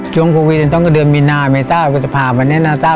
ช่วงโครวีดนี่ต้องกดเดินมามาที่นี่นะ